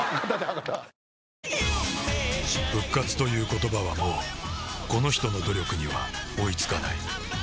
復活という言葉はもうこの人の努力には追いつかない